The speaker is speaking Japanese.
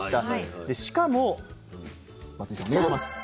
しかも松井さんお願いします。